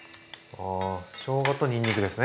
ああしょうがとにんにくですね。